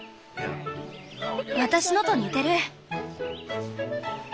私のと似てる。